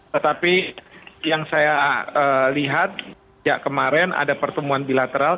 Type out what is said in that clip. tetapi yang saya lihat kemarin ada pertemuan bilateral